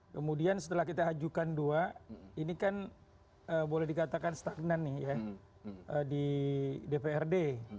kemudian setelah kita ajukan dua ini kan boleh dikatakan stagnan nih ya di dprd